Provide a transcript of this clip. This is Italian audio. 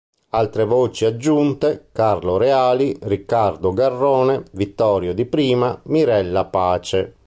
Altre voci aggiunte: "Carlo Reali", "Riccardo Garrone", "Vittorio Di Prima", "Mirella Pace"